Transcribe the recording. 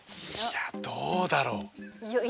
いやどうだろう。